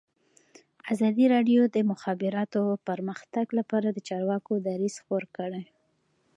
ازادي راډیو د د مخابراتو پرمختګ لپاره د چارواکو دریځ خپور کړی.